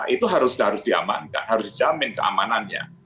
itu harus diamankan harus dijamin keamanannya